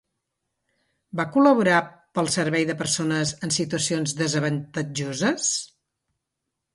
Va col·laborar per al Servei de Persones en Situacions Desavantatjoses?